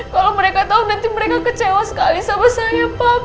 kalau mereka tahu nanti mereka kecewa sekali sama saya pub